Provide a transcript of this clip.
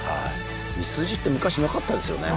ミスジって昔なかったですよね？